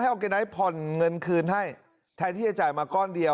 จะบอกให้ทุกคนเนี่ยพี่น้องที่อยู่กันเนี่ย